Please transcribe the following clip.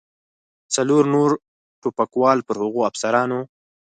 څلور نور ټوپکوال پر هغو افسرانو.